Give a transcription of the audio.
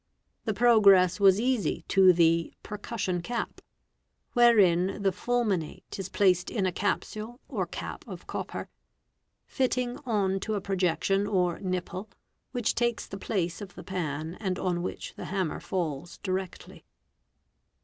The progress was easy to the "" percussion cap', wherein the fulminate is placed in a capsule or cap of copper, fitting on to a projection or " nipple', which takes the place of the pan and on _ which the hammer falls directly.